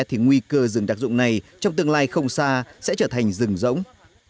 thì nguy cơ rừng đặc dụng này trong tương lai không xa sẽ trở thành rừng rỗng